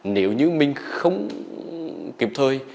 nếu như mình không kịp thời